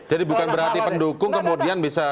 jadi bukan berarti pendukung kemudian bisa